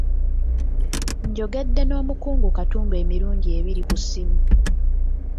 Njogedde n'omukungu Katumba emirundi ebiri ku ssimu.